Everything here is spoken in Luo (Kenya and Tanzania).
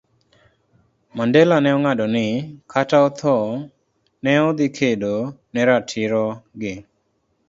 Mandela ne ong'ado ni, kata otho, ne odhi kedo ne ratiro gi